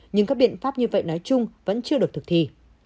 nhưng các biện pháp như vậy nói chung vẫn chưa được thực thi